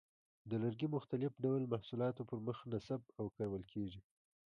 د لرګي مختلف ډول محصولاتو پر مخ نصب او کارول کېږي.